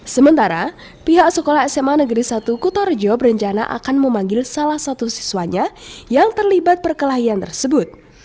sementara pihak sekolah sma negeri satu kutorjo berencana akan memanggil salah satu siswanya yang terlibat perkelahian tersebut